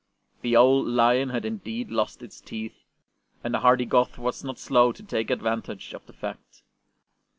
The old lion had indeed lost its teeth, and the hardy Goth was not slow to take advantage of the fact.